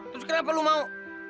terus kenapa lu mau